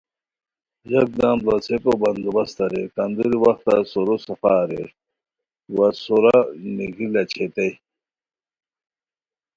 یکدم بڑاڅھئیکو بندوبست اریر کندوری وختہ سورو صفا اریر وا سورا نیگی لا چھئیتائے